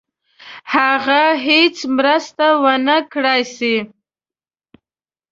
هغه هیڅ مرسته ونه کړای سي.